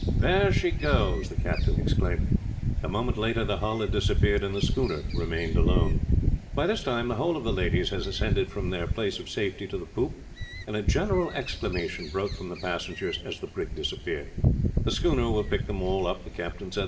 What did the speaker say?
"There she goes!" the captain exclaimed. A moment later the hull had disappeared, and the schooner remained alone. By this time, the whole of the ladies had ascended from their place of safety to the poop, and a general exclamation broke from the passengers, as the brig disappeared. "The schooner will pick them all up," the captain said.